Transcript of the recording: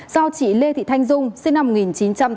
do chị lê thị thanh dung sinh năm một nghìn chín trăm tám mươi